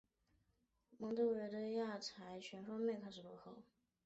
蒙得维的亚才全方位的开始落后。